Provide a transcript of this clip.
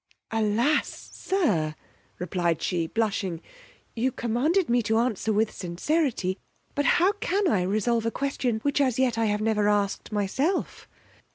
Alas! sir, replied she, blushing, you commanded me to answer with sincerity, but how can I resolve a question which as yet I have never asked myself?